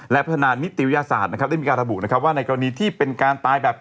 และพัฒนานิติวิทยาศาสตร์นะครับได้มีการระบุนะครับว่าในกรณีที่เป็นการตายแบบ